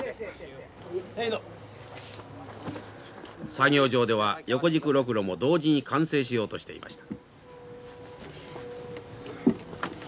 作業場では横軸ロクロも同時に完成しようとしていました。